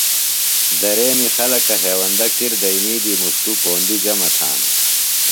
دریمی خلکہ ہیوندہ کِر دئینی دی مُݜٹوۡ پوندیۡ جمع تھانہ۔